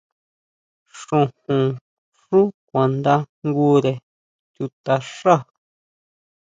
Xojón xú kuandajngure chutaxá.